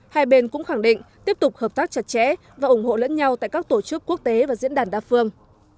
hai bên cũng khẳng định tiếp tục hợp tác chặt chẽ và ủng hộ lẫn nhau tại các tổ chức quốc tế và diễn đàn đa phương